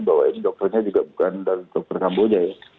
bahwa ini dokternya juga bukan dari dokter kamboja ya